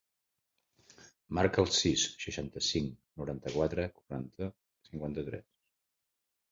Marca el sis, seixanta-cinc, noranta-quatre, quaranta, cinquanta-tres.